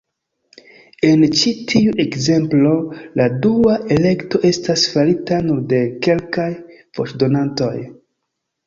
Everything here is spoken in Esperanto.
En ĉi tiu ekzemplo, la dua elekto estas farita nur de kelkaj voĉdonantoj.